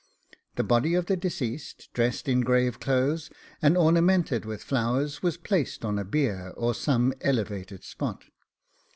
... The body of the deceased, dressed in grave clothes, and ornamented with flowers, was placed on a bier, or some elevated spot.